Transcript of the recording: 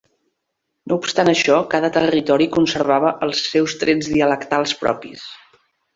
No obstant això, cada territori conservava els seus trets dialectals propis.